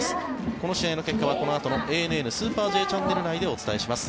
この試合の結果はこのあとの「ＡＮＮスーパーＪチャンネル」内でお伝えします。